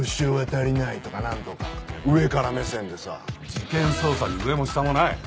事件捜査に上も下もない。